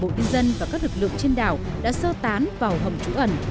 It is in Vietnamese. toàn bộ nhân dân và các lực lượng trên đảo đã sơ tán vào hầm chủ ẩn